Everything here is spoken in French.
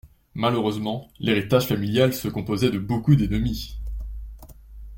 Malheureusement, l’héritage familial se composait de beaucoup d’ennemis.